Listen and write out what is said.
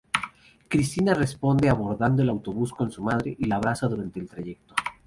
Cristina responde abordando el autobús con su madre y la abraza durante el trayecto.